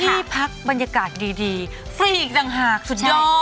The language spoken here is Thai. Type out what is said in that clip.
ที่พักบรรยากาศดีฟรีอีกต่างหากสุดยอด